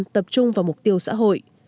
ba mươi bốn tập trung vào mục tiêu xã hội